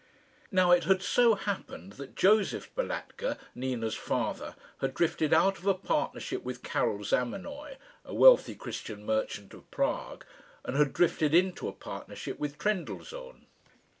Now it had so happened that Josef Balatka, Nina's father, had drifted out of a partnership with Karil Zamenoy, a wealthy Christian merchant of Prague, and had drifted into a partnership with Trendellsohn.